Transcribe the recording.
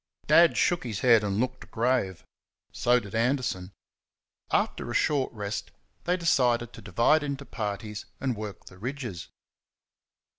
Dad shook his head and looked grave so did Anderson. After a short rest they decided to divide into parties and work the ridges.